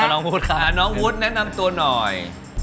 น้องวุฒิค่ะน้องวุฒิแนะนำตัวหน่อย